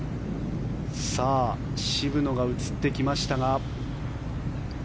さあ、渋野が映ってきましたが。